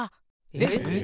えっ？